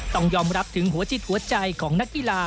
ต้องยอมรับถึงหัวจิตหัวใจของนักกีฬา